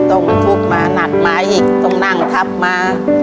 ต้องทุกข์มาหนักมาอีกต้องนั่งทับมา